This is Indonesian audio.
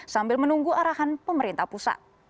sambil menunggu arahan pemerintah pusat